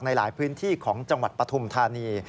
ในหลายพื้นที่ของจังหวัดปฐุมธานี